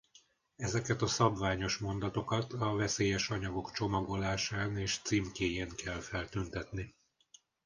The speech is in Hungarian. Ezeket a szabványos mondatokat a veszélyes anyagok csomagolásán és címkéjén kell feltüntetni.